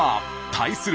対する